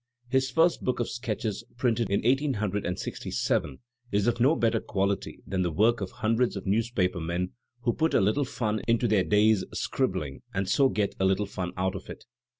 His first book of sketches, printed in 1867, is of no better quality than the work of hundreds of newspaper men who put a little fun into their day*s scribbling and so get a little fun out of it.